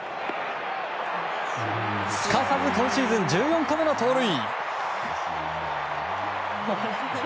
すかさず今シーズン１４個目の盗塁！